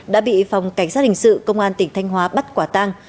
đã bị phòng cảnh sát hình sự công an tỉnh thanh hóa bắt quả tang